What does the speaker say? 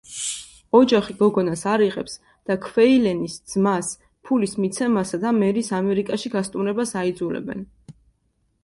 ოჯახი გოგონას არ იღებს და ქვეი-ლენის ძმას ფულის მიცემასა და მერის ამერიკაში გასტუმრებას აიძულებენ.